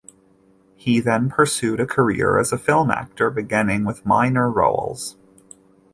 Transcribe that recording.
He then pursued a career as a film actor, beginning with minor roles.